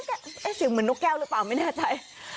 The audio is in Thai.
นี่อ่ะสิงบุรีเหมือนนกแก้วเหรอเปล่าไม่แน่ใจ